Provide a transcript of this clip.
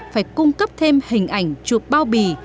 phải cung cấp thêm hình ảnh chuột bao bì